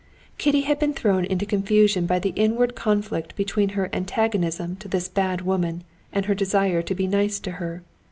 Kitty had been thrown into confusion by the inward conflict between her antagonism to this bad woman and her desire to be nice to her.